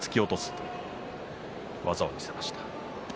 そういう技を見せました。